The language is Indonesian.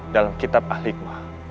dalam kitab al hikmah